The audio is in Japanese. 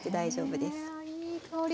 あいい香り。